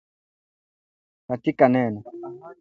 katika neno